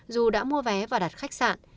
dù đã mua vé và đặt khách sạn